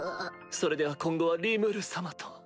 それでは今後はリムル様と。